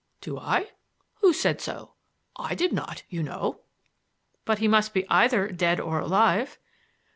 "Do I? Who said so? I did not, you know." "But he must be either dead or alive."